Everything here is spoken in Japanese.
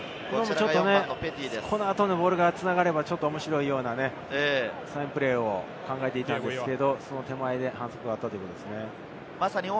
この後のボールが繋がれば、ちょっと面白いようなサインプレーを考えていたんですけれど、その手前で反則があったということですね。